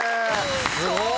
すごい！